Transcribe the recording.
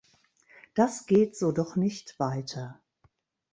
Das geht so doch nicht weiter!